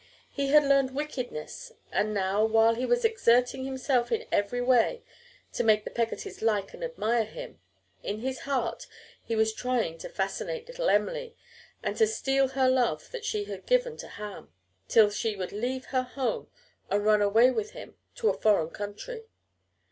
He had learned wickedness, and now, while he was exerting himself in every way to make the Peggottys like and admire him, in his heart he was trying to fascinate little Em'ly and to steal her love that she had given to Ham, till she would leave her home and run away with him to a foreign country.